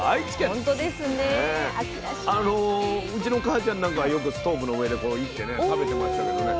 あのうちのかあちゃんなんかはよくストーブの上でこう煎ってね食べてましたけどね。